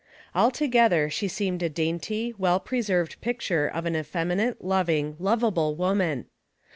Altogether ad Tloo Peters, 27 she seemed a tlaiiity, well preserved picture of an effeminate, loving, lovable woman.